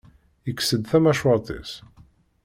Yekkes-d tamacwart-is.